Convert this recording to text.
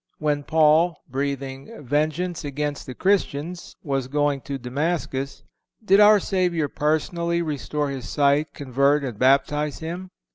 When Paul, breathing vengeance against the Christians, was going to Damascus, did our Savior personally restore his sight, convert and baptize him?